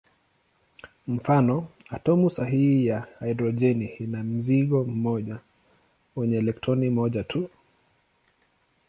Mfano: atomu sahili ya hidrojeni ina mzingo mmoja wenye elektroni moja tu.